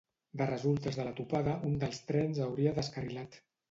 De resultes de la topada un dels trens hauria descarrilat.